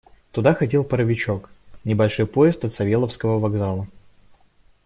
Туда ходил паровичок — небольшой поезд от Савеловского вокзала.